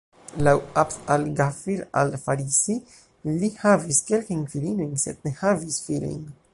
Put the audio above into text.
Laŭ 'Abd al-Ghafir al-Farisi, li havis kelkajn filinojn, sed ne havis filojn.